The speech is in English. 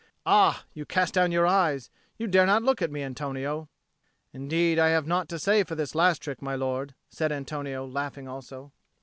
Ah, you cast down your eyes! You dare not look at me, Antonio." "Indeed I have naught to say for this last trick, my lord," said Antonio, laughing also.